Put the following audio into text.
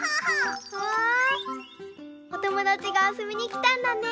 うわおともだちがあそびにきたんだね。